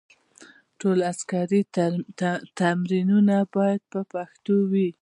ټول عسکري تمرینونه باید په پښتو وي.